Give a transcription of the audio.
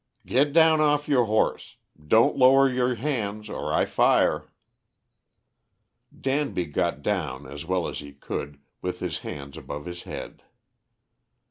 "Get down off your horse; don't lower your hands, or I fire." Danby got down, as well as he could, with his hands above his head.